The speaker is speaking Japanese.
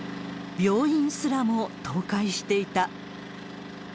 病院すらも倒壊していた。